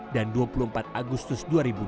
dan dua puluh empat agustus dua ribu dua puluh dua